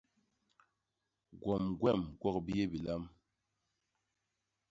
Gwom gwem gwok biyé bilam.